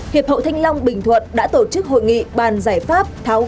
hiệp hậu thanh long bình thuận đã tổ chức hội nghị bàn giải pháp tháo gỡ khó khăn